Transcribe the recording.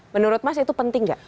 menurut mas itu penting gak